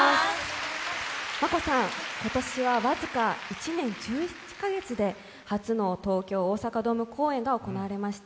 今年は僅か１年１１か月で初の東京・大阪ドーム公演が行われました。